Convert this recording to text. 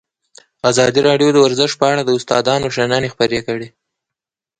ازادي راډیو د ورزش په اړه د استادانو شننې خپرې کړي.